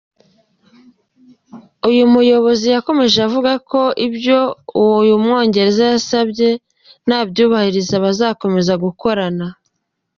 Uyu muyobozi yakomeje avuga ko ibyo uyu mwongereza yasabwe nabyubahiriza bazakomeza gukorana.